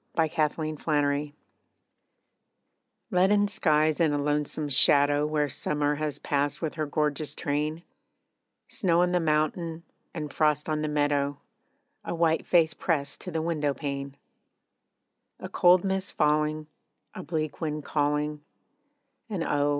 AN AUTUMN DAY Leaden skies and a lonesome shadow Where summer has passed with her gorgeous train; Snow on the mountain, and frost on the meadow A white face pressed to the window pane; A cold mist falling, a bleak wind calling, And oh!